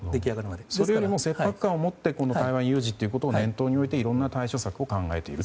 それよりも切迫感を持って台湾有事を念頭に置いていろんな対処策を考えていると。